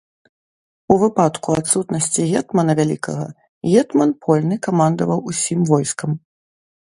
У выпадку адсутнасці гетмана вялікага, гетман польны камандаваў усім войскам.